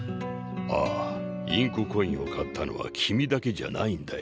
ああインココインを買ったのは君だけじゃないんだよ。